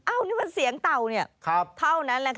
อ้าวนี่มันเสียงเต่าเนี่ยเท่านั้นแหละค่ะ